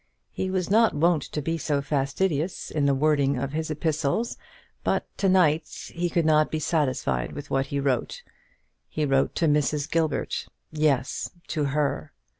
He was not wont to be so fastidious in the wording of his epistles, but to night he could not be satisfied with what he wrote. He wrote to Mrs. Gilbert; yes, to her!